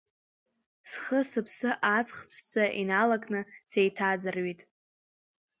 Схы-сыԥсы аҵх ҵәца иналакны сеиҭаӡырҩит.